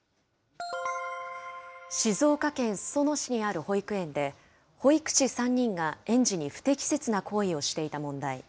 静岡県裾野市にある保育園で、保育士３人が園児に不適切な行為をしていた問題。